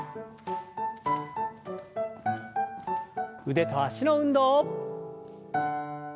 腕と脚の運動。